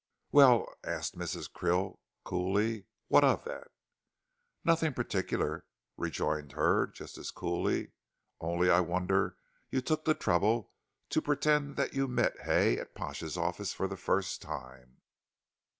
"Well?" asked Mrs. Krill, coolly, "what of that?" "Nothing particular," rejoined Hurd, just as coolly, "only I wonder you took the trouble to pretend that you met Hay at Pash's office for the first time."